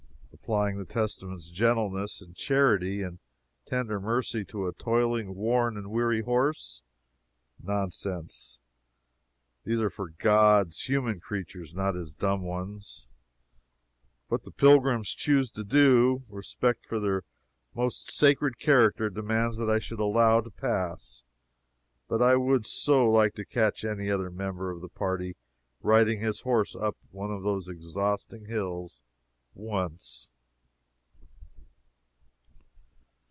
Apply the Testament's gentleness, and charity, and tender mercy to a toiling, worn and weary horse? Nonsense these are for God's human creatures, not His dumb ones. What the pilgrims choose to do, respect for their almost sacred character demands that I should allow to pass but I would so like to catch any other member of the party riding his horse up one of these exhausting hills once!